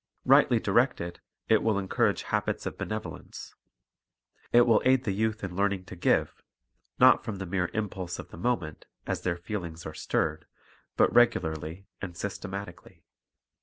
Rightly directed it will encourage habits of benevo lence. It will aid the youth in learning to give, not A useful .. Training' from the mere impulse of the moment, as their feeiings are stirred, but regularly and systematically.